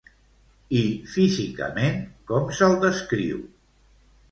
I físicament com se'l descriu?